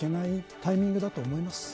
タイミングだと思います。